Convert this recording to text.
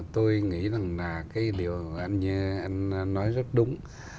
tôi nghĩ là cái điều anh nói rất đúng